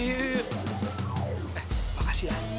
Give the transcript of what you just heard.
eh makasih ya